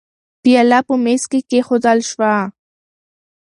پیاله په مېز کې کېښودل شوه.